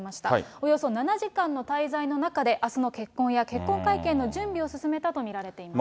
およそ７時間の滞在の中で、あすの結婚や結婚会見の準備を進めたと見られています。